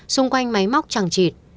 xung quanh máy móc chẳng chịt